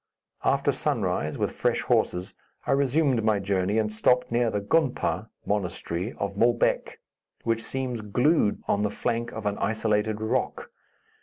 After sunrise, with fresh horses, I resumed my journey and stopped near the gonpa (monastery) of Moulbek, which seems glued on the flank of an isolated rock.